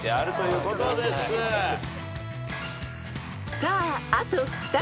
［さああと２つ］